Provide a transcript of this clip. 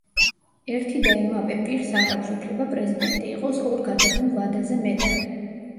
ერთი და იმავე პირს არ აქვს უფლება პრეზიდენტი იყოს ორ გადაბმულ ვადაზე მეტად.